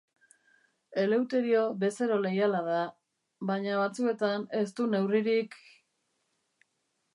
Eleuterio bezero leiala da, baina batzuetan ez du neurririk...